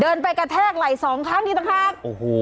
เดินไปกระแทกไหล่สองครั้งอีกต่างหากโอ้โห